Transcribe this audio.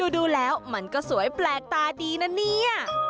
ดูแล้วมันก็สวยแปลกตาดีนะเนี่ย